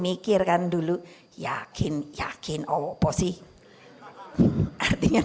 mikirkan dulu yakin yakin opo sih artinya